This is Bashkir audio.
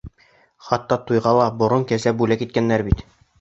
Хатта туйға ла борон кәзә бүләк иткәндәр бит.